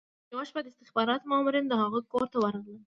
یوه شپه د استخباراتو مامورین د هغوی کور ته ورغلل